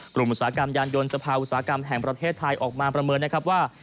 อุตสาหกรรมยานยนต์สภาอุตสาหกรรมแห่งประเทศไทยออกมาประเมินนะครับว่า